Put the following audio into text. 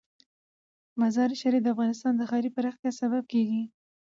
مزارشریف د افغانستان د ښاري پراختیا سبب کېږي.